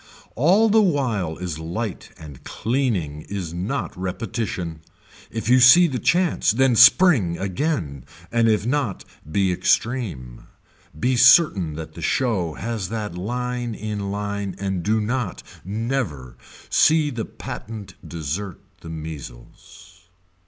All the while is light and cleaning is not repetition. If you see the chance then spring again and if not be extreme, be certain that the show has that line in line and do not, never, see the patent desert the measles.